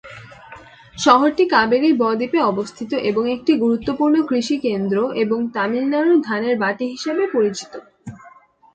শহরটি কাবেরী বদ্বীপে অবস্থিত একটি গুরুত্বপূর্ণ কৃষি কেন্দ্র এবং তামিলনাড়ুর ধানের বাটি হিসাবে পরিচিত।